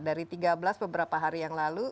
dari tiga belas beberapa hari yang lalu